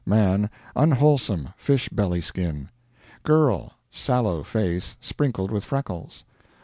Man. Unwholesome fish belly skin. Girl. Sallow face, sprinkled with freckles.